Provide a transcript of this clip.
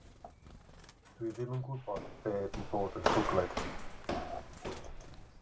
Dw i ddim yn gwybod beth ydi bod yn llwglyd.